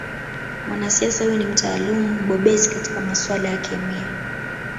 Mwanasiasa huyo ni mtaaluma mbobezi katika masuala ya kemia